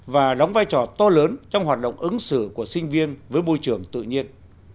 và đóng vai trò to lớn trong hoạt động ứng xử của sinh viên với môi trường tự nhiên